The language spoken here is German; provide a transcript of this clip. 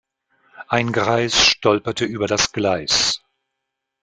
Ein Greis stolperte über das Gleis.